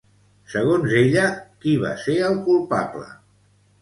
Segons ella, qui va ser el culpable?